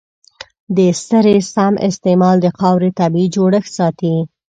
د سرې سم استعمال د خاورې طبیعي جوړښت ساتي.